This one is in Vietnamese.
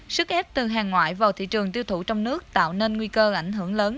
sức ép từ hàng ngoại vào thị trường tiêu thụ trong nước tạo nên nguy cơ ảnh hưởng lớn